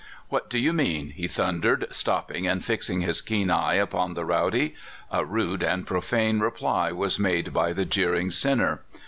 "What do you mean?" he thundered, stopping and fixing his keen eye upon the rowdy. A rude and profane reply was made by the jeer ing sinner.